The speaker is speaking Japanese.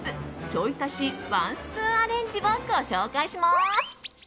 ちょい足しワンスプーンアレンジをご紹介します。